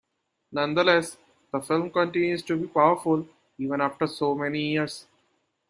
Nonetheless, the film continues to be powerful even after so many years.